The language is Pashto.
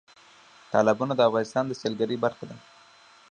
تالابونه د افغانستان د سیلګرۍ برخه ده.